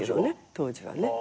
当時はね。